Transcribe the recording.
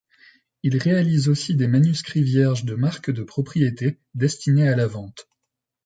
Il réalise aussi des manuscrits vierges de marques de propriété destinés à la vente.